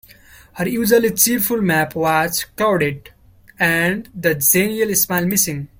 Her usually cheerful map was clouded, and the genial smile missing.